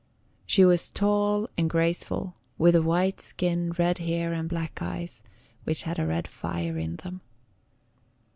She was tall and graceful, with a white skin, red hair, and black eyes, which had a red fire in them.